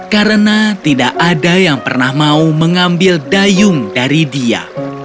karena tidak ada yang pernah mau mengambil dayung dari dia